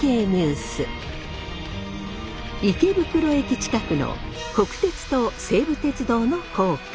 池袋駅近くの国鉄と西武鉄道の高架